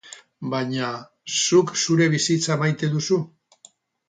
Baina, zuk zure bizitza maite duzu?